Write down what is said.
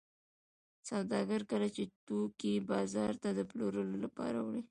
سوداګر کله چې توکي بازار ته د پلورلو لپاره وړي